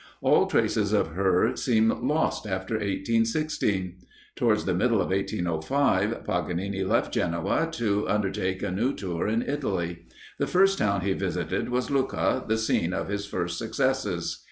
All traces of her seem lost after 1816. Towards the middle of 1805, Paganini left Genoa, to undertake a new tour in Italy. The first town he visited was Lucca, the scene of his first successes.